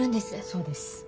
そうです。